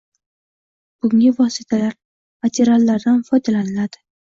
Bunga vositalar, materiallardan foydalanadi.